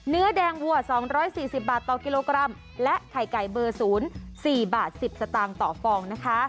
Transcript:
เนื้อแดงวัว๒๔๐บาทต่อกิโลกรัมและไข่ไก่เบอร์๐๔บาท๑๐สตางค์ต่อฟองนะคะ